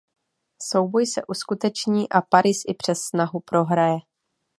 Souboj se uskuteční a Paris i přes snahu prohraje.